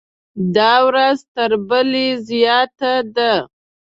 دا ورځ تر بلې زیات ده.